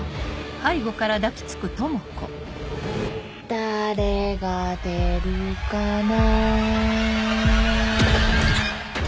誰がでるかな